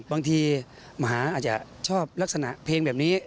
มหาอาจจะชอบลักษณะเพลงแบบนี้